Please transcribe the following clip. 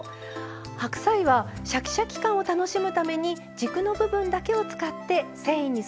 白菜はシャキシャキ感を楽しむために軸の部分だけを使って繊維に沿って切ります。